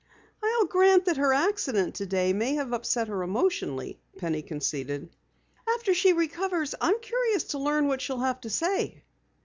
"I'll grant that her accident today may have upset her emotionally," Penny conceded. "After she recovers, I'm curious to learn what she'll have to say."